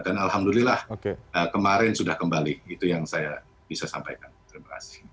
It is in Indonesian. dan alhamdulillah kemarin sudah kembali itu yang saya bisa sampaikan terima kasih